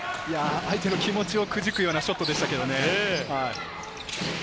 相手の気持ちをくじくようなショットでしたけどね。